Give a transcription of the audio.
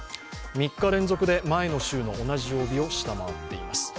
３日連続で前の週の同じ曜日を下回っています。